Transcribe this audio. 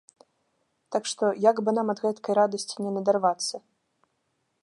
Так што, як бы нам ад гэткай радасці не надарвацца.